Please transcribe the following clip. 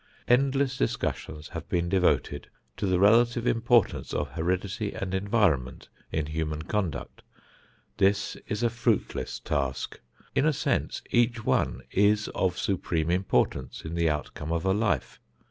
Endless discussions have been devoted to the relative importance of heredity and environment in human conduct. This is a fruitless task. In a sense, each one is of supreme importance in the outcome of a life.